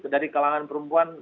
dari kalangan perempuan